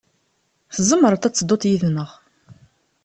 Tzemreḍ ad tedduḍ yid-neɣ.